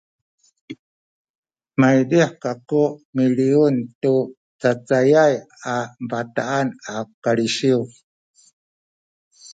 maydih kaku miliyun tu cacayay a bataan a kalisiw